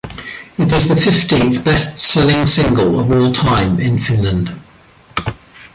It is the fifteenth-best-selling single of all time in Finland.